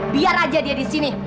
biar aja dia disini